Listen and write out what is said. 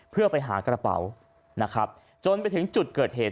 เพื่อไปหากระเป๋านะครับจนไปถึงจุดเกิดเหตุ